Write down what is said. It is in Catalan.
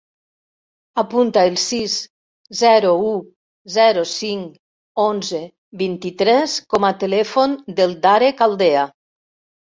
Apunta el sis, zero, u, zero, cinc, onze, vint-i-tres com a telèfon del Darek Aldea.